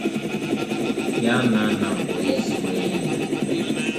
Ya na na bụ ezigbo enyi.